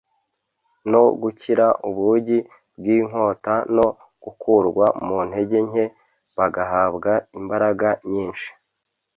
no gukira ubugi bwinkota no gukurwa mu ntege nke bagahabwa imbaraga nyinshi